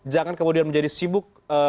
jangan kemudian menjadi sibuk